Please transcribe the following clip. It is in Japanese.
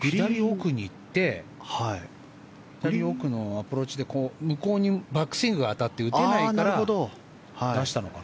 左奥に行って左奥のアプローチで向こうにバックスイングが当たって打てないから出したのかな。